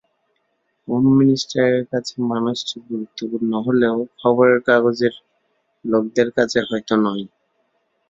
Home মিনিষ্টারের কাছে মানুষটি গুরুত্বপূর্ণ হলেও খবরের কাগজের লোকদের কাছে হয়তো নয়।